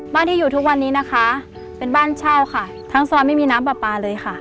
ที่อยู่ทุกวันนี้นะคะเป็นบ้านเช่าค่ะทั้งซอยไม่มีน้ำปลาปลาเลยค่ะ